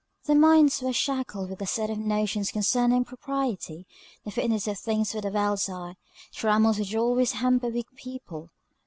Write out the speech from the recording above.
Their minds were shackled with a set of notions concerning propriety, the fitness of things for the world's eye, trammels which always hamper weak people.